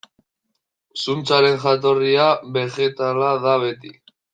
Zuntzaren jatorria begetala da beti.